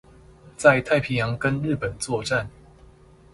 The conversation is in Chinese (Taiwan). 在太平洋跟日本作戰